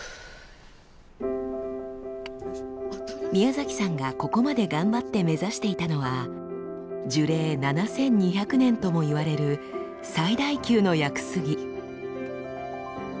宮崎さんがここまで頑張って目指していたのは樹齢７２００年ともいわれる最大級の屋久杉。